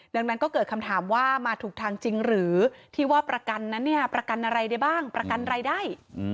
ดังนั้นก็เกิดคำถามว่ามาถูกทางจริงหรือที่ว่าประกันนั้นเนี่ยประกันอะไรได้บ้างประกันรายได้